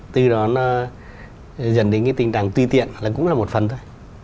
từ đó nó dẫn đến cái tình trạng tùy tiện là cũng là một phần thôi